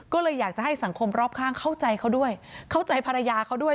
ก็เลยอยากจะให้สังคมรอบข้างเข้าใจเขาด้วยเข้าใจภรรยาเขาด้วย